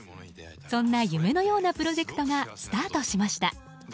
そんな夢のようなプロジェクトがスタートしました。